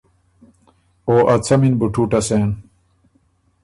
او ا څمی ن ټُوټه سېن